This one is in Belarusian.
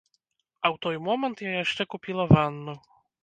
А ў той момант я яшчэ купіла ванну.